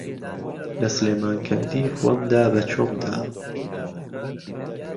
له سلێمانکهندی خوهم دا به چۆمدا